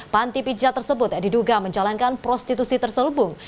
panti pijat tersebut diduga menjalankan prostitusi terselubung